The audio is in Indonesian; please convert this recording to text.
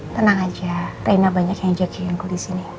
tenang aja rena banyak yang ajakin aku di sini